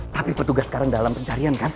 tapi petugas sekarang dalam pencarian kan